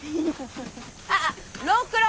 ああっ六郎！